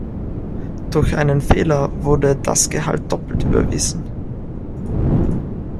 Durch einen Fehler wurde das Gehalt doppelt überwiesen.